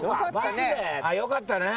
よかったね。